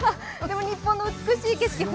でも日本の美しい景色